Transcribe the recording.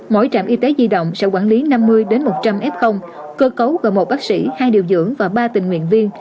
mỗi trạm y tế di động sẽ quản lý năm mươi một trăm linh f cơ cấu gồm một bác sĩ hai điều dưỡng và ba tình nguyện viên